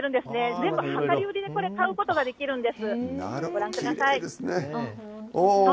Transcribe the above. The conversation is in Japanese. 全部量り売りで買うことができるんです。